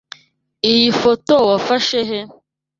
Iyi foto wafashe he?